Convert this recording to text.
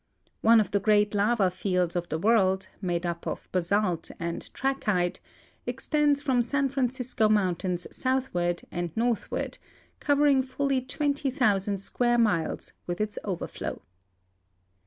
One of the great lava fields of the world, made up of basalt and trachyte, extends from San Francisco mountains southward and northward, covering fully 2().(XM) square miles with its overflow.